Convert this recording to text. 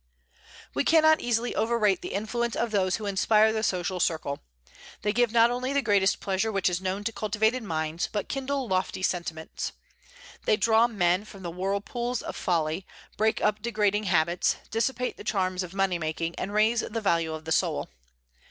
We cannot easily overrate the influence of those who inspire the social circle. They give not only the greatest pleasure which is known to cultivated minds, but kindle lofty sentiments. They draw men from the whirlpools of folly, break up degrading habits, dissipate the charms of money making, and raise the value of the soul.